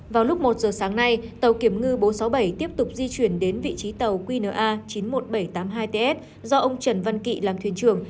vào lúc một giờ sáng nay tàu kiểm ngư bốn trăm sáu mươi bảy tiếp tục di chuyển đến vị trí tàu qna chín mươi một nghìn bảy trăm tám mươi hai ts do ông trần văn kỵ làm thuyền trưởng